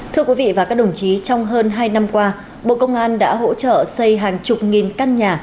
thưa quý vị và các đồng chí trong hơn hai năm qua bộ công an đã hỗ trợ xây hàng chục nghìn căn nhà